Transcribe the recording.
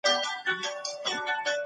زړونه مو له کينې پاک.